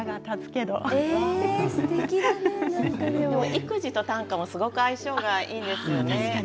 育児と短歌もすごく相性がいいんですね。